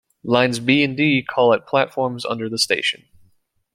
Lines B and D call at platforms under the station.